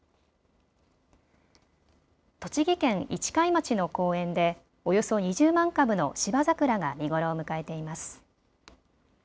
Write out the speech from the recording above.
栃木県市貝町の公園でおよそ２０万株のシバザクラが見頃を迎えています。